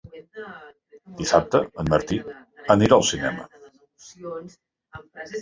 Dissabte en Martí anirà al cinema.